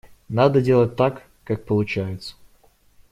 Надо делать так, как получается.